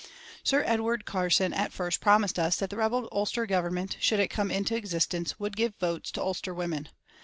Sir Edward Carson at first promised us that the rebel Ulster Government, should it come into existence, would give votes to Ulster women.